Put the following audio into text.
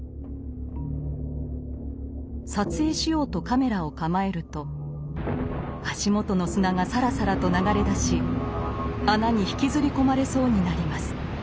撮影しようとカメラを構えると足元の砂がサラサラと流れ出し穴に引きずり込まれそうになります。